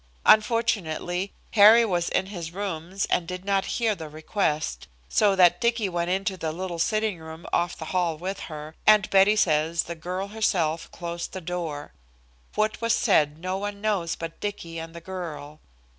Unfortunately, Harry was in his rooms and did not hear the request, so that Dicky went into the little sitting room off the hall with her, and Betty says the girl herself closed the door. What was said no one knows but Dicky and the girl.